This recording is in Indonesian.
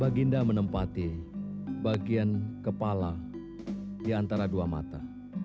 baginda menempati bagian kepala di antara dua mata